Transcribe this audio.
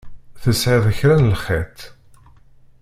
Tesεiḍ kra n lxeṭṭ?